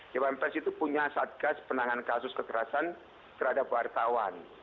dewan pers itu punya satgas penanganan kasus kekerasan terhadap wartawan